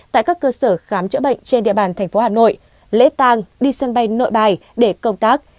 tại các cơ sở khám chữa bệnh trên địa bàn thành phố hà nội lễ tang đi sân bay nội bài để công tác